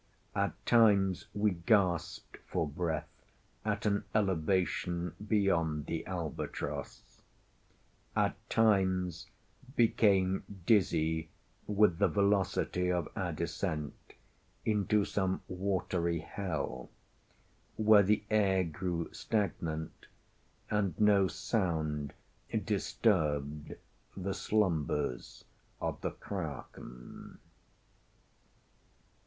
At times we gasped for breath at an elevation beyond the albatross—at times became dizzy with the velocity of our descent into some watery hell, where the air grew stagnant, and no sound disturbed the slumbers of the kraken.